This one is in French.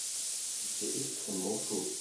Il fait extrêmement chaud.